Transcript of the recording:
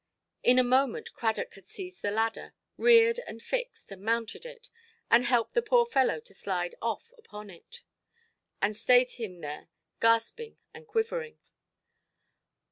In a moment Cradock had seized a ladder, reared, and fixed, and mounted it, and helped the poor fellow to slide off upon it, and stayed him there gasping and quivering.